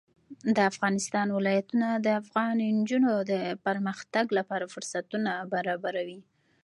د افغانستان ولايتونه د افغان نجونو د پرمختګ لپاره فرصتونه برابروي.